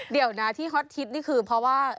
เดี๋ยวนะที่ฮอตฮิตนี่คือเพราะว่า